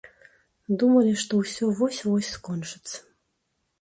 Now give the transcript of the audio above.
Думалі, што ўсё вось-вось скончыцца.